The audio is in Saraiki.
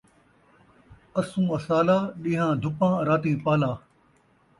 اسوں اسالا، ݙینہاں دھپاں راتیں پالا،